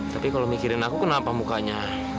tapi kalau mikirin aku kenapa mukanya